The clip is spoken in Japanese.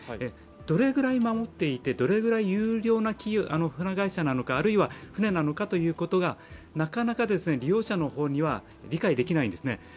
どれぐらい守っていて、どれぐらい優良な船会社なのか、あるいは船なのかが、なかなか利用者には理解できないんですね。